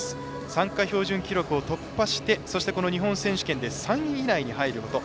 参加標準記録を突破してそして、この日本選手権で３位以内に入ること。